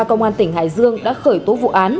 công an tỉnh hải dương đã khởi tố vụ án